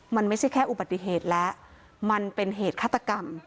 มันไม่ใช่แค่อุบัติเหตุแล้วมันเป็นเหตุฆาตกรรม